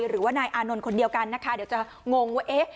หรือว่านายอานนท์คนเดียวกันนะคะเดี๋ยวจะงงว่าเอ๊ะ